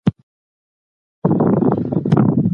هغه تګلاري چي ګټورې دي، بايد انتخاب سي.